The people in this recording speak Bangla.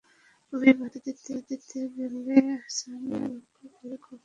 পুলিশ বাধা দিতে গেলে আসামিরা তাদের লক্ষ্য করে ককটেল বিস্ফোরণ ঘটান।